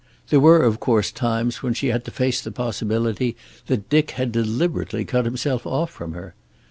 There were, of course, times when she had to face the possibility that Dick had deliberately cut himself off from her.